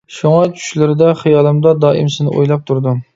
شۇڭا چۈشلىرىدە، خىيالىمدا دائىم سېنى ئويلاپ تۇردۇم.